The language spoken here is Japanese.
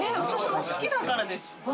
好きだからです。